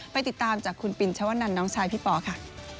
ไปติดตามจากคุณปินชวนันน้องชายพี่ปอค่ะ